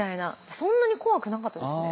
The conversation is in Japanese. そんなに怖くなかったですね。